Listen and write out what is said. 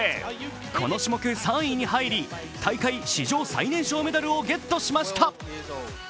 この種目、３位に入り大会史上最年少メダルをゲットしました。